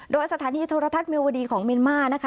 โดยสถานีโทรทัศน์เมียวดีของเมียนมาร์นะคะ